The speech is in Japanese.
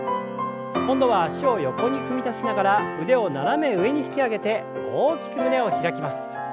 今度は脚を横に踏み出しながら腕を斜め上に引き上げて大きく胸を開きます。